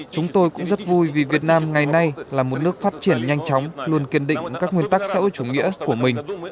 chúng tôi cũng rất vui vì việt nam ngày nay là một nước phát triển nhanh chóng luôn kiên định các nguyên tắc xã hội chủ nghĩa của mình